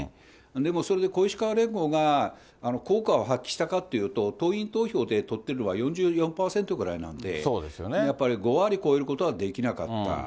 でもそれで小石河連合が効果を発揮したかというと、党員投票で取ってるのは４４％ぐらいなんで、やっぱり５割超えることはできなかった。